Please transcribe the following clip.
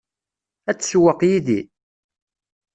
Ad tsewweq yid-i?